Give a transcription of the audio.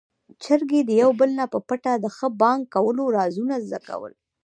چرګې د يو بل نه په پټه د ښه بانګ کولو رازونه زده کول.